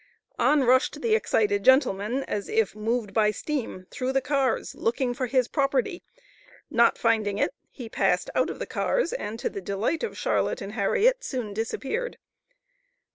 On rushed the excited gentleman as if moved by steam through the cars, looking for his property; not finding it, he passed out of the cars, and to the delight of Charlotte and Harriet soon disappeared.